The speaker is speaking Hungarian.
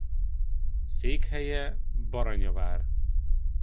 Székhelye Baranyavár.